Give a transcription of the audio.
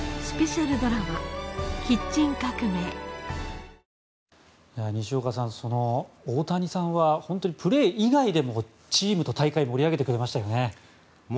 ぷはーっ西岡さん、大谷さんは本当にプレー以外でもチームと大会を盛り上げてくれましたね。